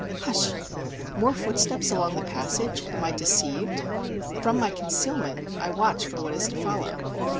Hush! more footsteps along the passage! Am I deceived? From my concealment I watch for what is to follow.